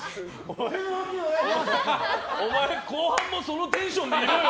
お前、後半もそのテンションでいろよ。